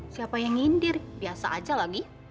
siapa yang nyindir biasa aja lagi